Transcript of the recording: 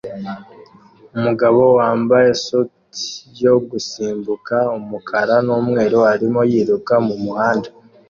Umugabo wambaye suite yo gusimbuka umukara n'umweru arimo yiruka mumuhanda